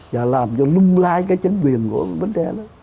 và làm cho lung lai cái chính quyền của bến tre đó